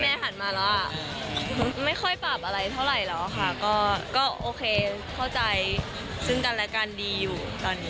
หันมาแล้วไม่ค่อยปรับอะไรเท่าไหร่แล้วค่ะก็โอเคเข้าใจซึ่งกันและกันดีอยู่ตอนนี้